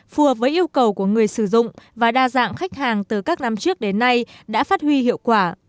phù hợp với yêu cầu của người sử dụng và đa dạng khách hàng từ các năm trước đến nay đã phát huy hiệu quả